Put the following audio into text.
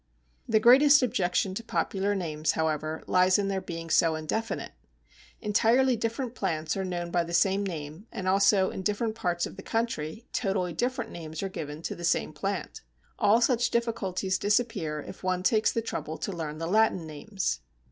The greatest objection to popular names, however, lies in their being so indefinite. Entirely different plants are known by the same name, and also in different parts of the country totally different names are given to the same plant. All such difficulties disappear if one takes the trouble to learn the Latin names.